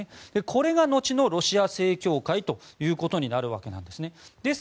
これが後のロシア正教会ということになるわけです。